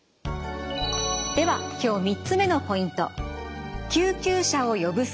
では今日３つ目のポイント。